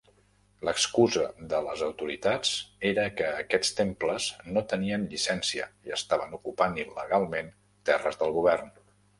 L'excusa de les autoritats era que aquests temples no tenien llicència i estaven ocupant il·legalment terres del govern.